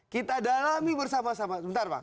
kita dalami bersama sama